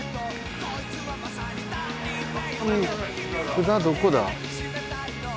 札どこだ？